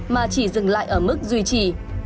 mà chỉ dừng lại ở mức duy trì